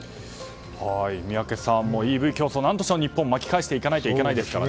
宮家さん、ＥＶ競争何としても日本は巻き返していかないといけないですからね。